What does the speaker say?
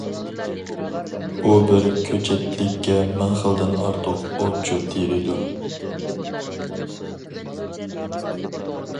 ئۇ بىر كۆچەتلىككە مىڭ خىلدىن ئارتۇق ئوت-چۆپ تېرىيدۇ.